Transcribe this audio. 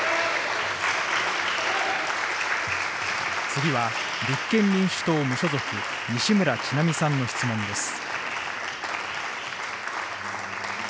次は、立憲民主党無所属、西村智奈美さんの質問です。